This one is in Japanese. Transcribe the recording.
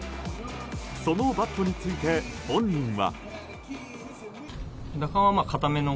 そのバットについて本人は。